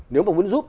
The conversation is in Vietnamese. nếu mà muốn giúp